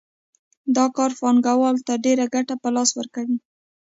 دا کار پانګوال ته ډېره ګټه په لاس ورکوي